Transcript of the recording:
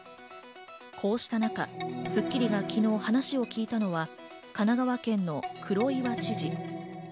こうした中『スッキリ』が昨日、話を聞いたのは、神奈川県の黒岩知事。